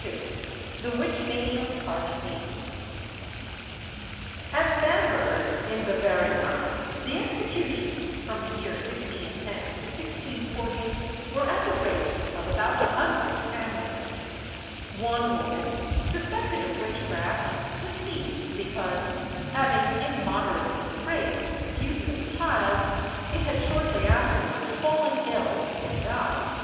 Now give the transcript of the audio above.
She also was hanged and burned. At Bamberg, in Bavaria, the executions from the year 1610 to 1640 were at the rate of about a hundred annually. One woman, suspected of witchcraft, was seized because, having immoderately praised the beauty of a child, it had shortly afterwards fallen ill and died.